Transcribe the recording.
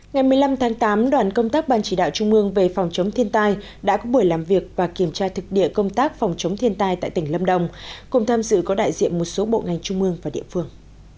ngày một mươi năm tháng tám đoàn công tác ban chỉ đạo trung mương về phòng chống thiên tai đã có buổi làm việc và kiểm tra thực địa công tác phòng chống thiên tai tại tỉnh lâm đồng cùng tham dự có đại diện một số bộ ngành trung mương và địa phương